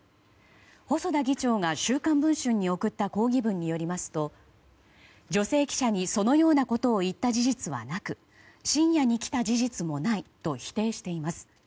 細田議長が「週刊文春」に送った抗議文によりますと女性記者に、そのようなことを言った事実はなく深夜に来た事実もないと否定しています。